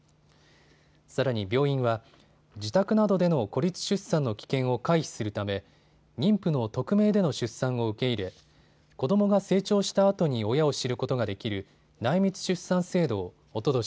さらに病院は自宅などでの孤立出産の危険を回避するため妊婦の匿名での出産を受け入れ子どもが成長したあとに親を知ることができる内密出産制度をおととし